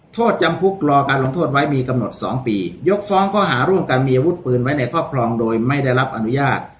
โทษจำคุกรอการลงโทษไว้มีกำหนด๒ปียกฟ้องข้อหาร่วมกันมีอาวุธปืนไว้ในครอบครองโดยไม่ได้รับอนุญาต